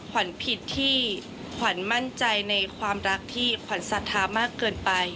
ผิดที่ขวัญมั่นใจในความรักที่ขวัญศรัทธามากเกินไป